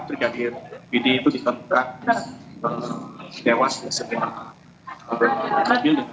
brigadir vidi itu dikontrak dewas di sebuah mobil